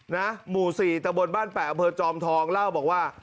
หมู่๔ตะบนบ้านแปะอำเภอจอมทองเล่าบอกว่า